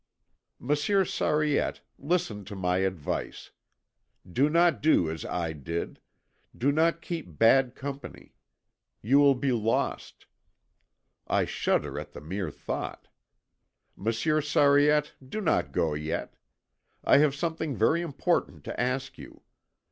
Monsieur Sariette, listen to my advice. Do not do as I did do not keep bad company. You will be lost. I shudder at the mere thought. Monsieur Sariette, do not go yet. I have something very important to ask you.